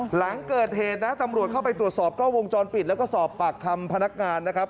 หลังเกิดเหตุนะตำรวจเข้าไปตรวจสอบกล้องวงจรปิดแล้วก็สอบปากคำพนักงานนะครับ